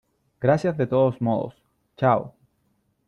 gracias de todos modos . chao .